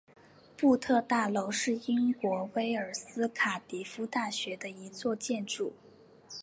布特大楼是英国威尔斯卡迪夫大学的一座建筑。